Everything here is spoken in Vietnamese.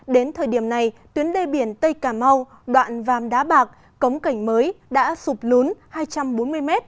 đến thời điểm này tuyến đê biển tây cà mau đoạn vàm đá bạc cống cành mới đã sụp lún hai trăm bốn mươi m